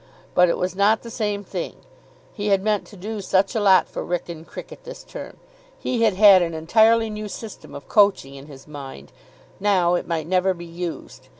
But it was not the same thing. He had meant to do such a lot for Wrykyn cricket this term. He had had an entirely new system of coaching in his mind. Now it might never be used.